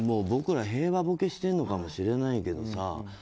僕、平和ボケしてるのかもしれないけどさ